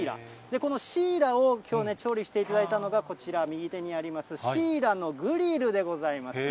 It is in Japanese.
このシイラをきょうね、調理していただいたのが、こちら、右手にあります、シイラのグリルでございます。